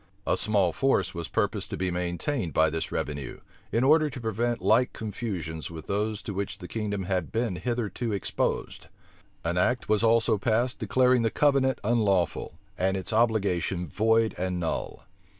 A small force was purposed to be maintained by this revenue, in order to prevent like confusions with those to which the kingdom had been hitherto exposed. An act was also passed, declaring the covenant unlawful, and its obligation void and null.